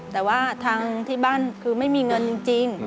แต่ว่าทางที่บ้านคือไม่มีเงินจริง